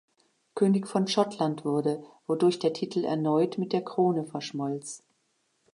König von Schottland wurde, wodurch der Titel erneut mit der Krone verschmolz.